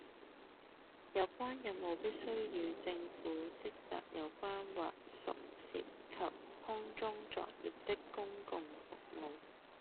有關任務必須與政府職責有關或屬涉及空中作業的公共服務